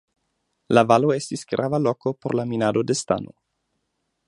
La valo estis grava loko por la minado de stano.